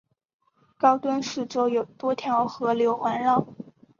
高墩四周有多条河流环绕。